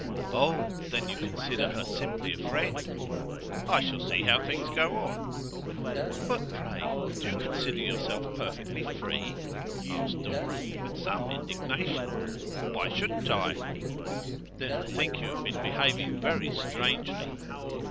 'Oh, then you consider her simply a friend?' 'I shall see how things go on.' 'But, pray, do you consider yourself perfectly free?' asked Dora, with some indignation. 'Why shouldn't I?' 'Then I think you have been behaving very strangely.